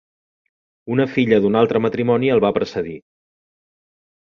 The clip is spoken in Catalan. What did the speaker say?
Una filla d'un altre matrimoni el va precedir.